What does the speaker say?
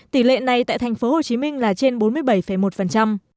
tỷ lệ này tại thành phố hồ chí minh là trên bốn mươi bảy một